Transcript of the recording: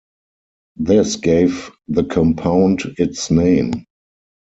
This gave the compound its name.